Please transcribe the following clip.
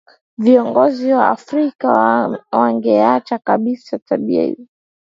viongozi wa afrika wangeacha kabisa tabia hizi